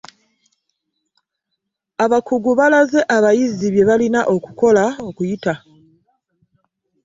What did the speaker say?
Abakugu balaze abayizi bye balina okukola okuyita .